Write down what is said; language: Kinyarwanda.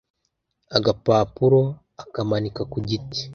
agapapuro akamanika ku giti .